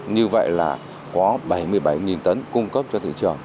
như vậy là có bảy mươi bảy tấn cung cấp cho thị trường